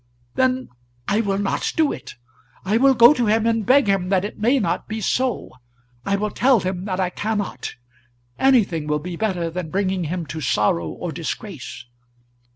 "Then I will not do it. I will go to him, and beg him that it may not be so. I will tell him that I cannot. Anything will be better than bringing him to sorrow or disgrace."